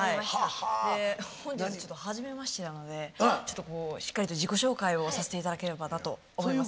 で本日ちょっとはじめましてなのでちょっとしっかりと自己紹介をさせていただければなと思います。